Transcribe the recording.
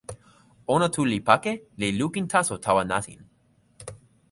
ona tu li pake, li lukin taso tawa nasin.